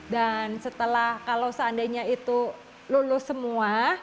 dan setelah kalau seandainya itu lulus semua